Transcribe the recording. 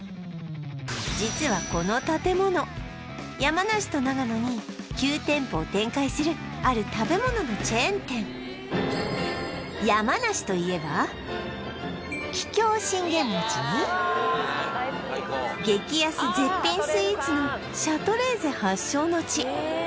実はこの建物山梨と長野に９店舗を展開するある食べ物のチェーン店山梨といえば激安絶品スイーツのシャトレーゼ発祥の地